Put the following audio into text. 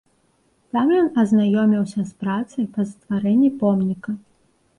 Там ён азнаёміўся з працай па стварэнні помніка.